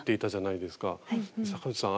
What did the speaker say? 坂内さん